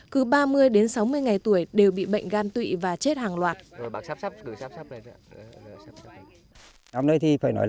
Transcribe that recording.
cứ ba mươi đến sáu mươi ngày tuổi đều bị bệnh gan tụy và chết hàng loạt